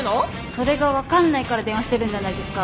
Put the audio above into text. それが分かんないから電話してるんじゃないですか。